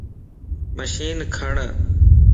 مشين کڻ